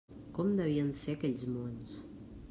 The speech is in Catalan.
Com devien ser aquells mons?